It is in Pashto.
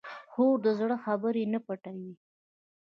خور د زړه خبرې نه پټوي.